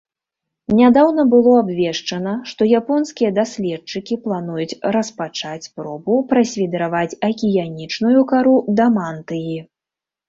Нядаўна было абвешчана, што японскія даследчыкі плануюць распачаць спробу прасвідраваць акіянічную кару да мантыі.